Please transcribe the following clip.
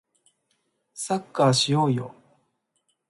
サッカーしようよ